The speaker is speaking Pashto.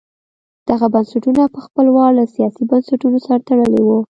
دغه بنسټونه په خپل وار له سیاسي بنسټونو سره تړلي وو.